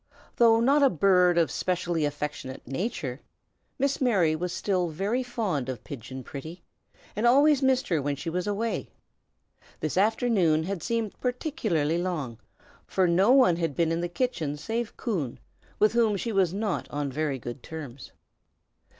Though not a bird of specially affectionate nature, Miss Mary was still very fond of Pigeon Pretty, and always missed her when she was away. This afternoon had seemed particularly long, for no one had been in the kitchen save Coon, with whom she was not on very good terms.